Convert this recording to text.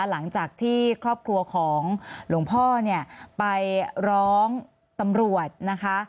หลังจากที่ครอบครัวของหลวงพ่อเนี่ยไปร้องตำรวจนะคะ